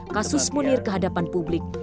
kasus munir kehadapan publik